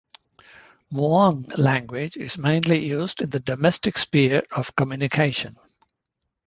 Muong language is mainly used in the domestic sphere of communication.